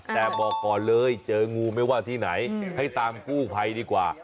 แต่บอกก่อนเลยเจองูไม่ว่าที่ไหนให้ตามกู้ภัยดีกว่า